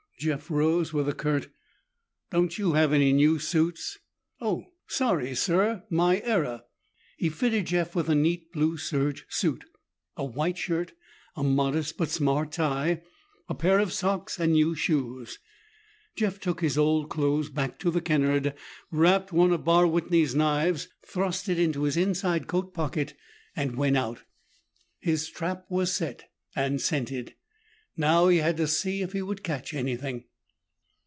Jeff rose with a curt, "Don't you have any new suits?" "Oh! Sorry, sir. My error." He fitted Jeff with a neat blue serge suit, a white shirt, a modest but smart tie, a pair of socks, and new shoes. Jeff took his old clothes back to the Kennard, wrapped one of Barr Whitney's knives, thrust it into his inside coat pocket and went out. His trap was set and scented. Now he had to see if he would catch anything.